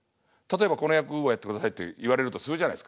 例えば「この役をやってください」って言われるとするじゃないですか。